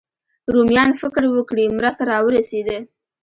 رومیان فکر وکړي مرسته راورسېده.